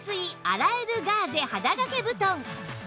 洗えるガーゼ肌掛け布団